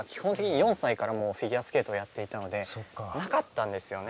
４歳からフィギュアスケートをやっていたのでなかったんですよね。